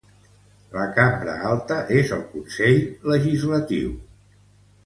La cambra alta és el Consell Legislatiu.